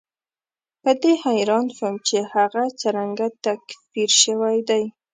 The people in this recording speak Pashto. په دې حیران شوم چې هغه څرنګه تکفیر شوی دی.